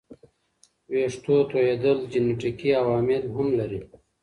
ویښتو توېیدل جنیټیکي عوامل هم لري.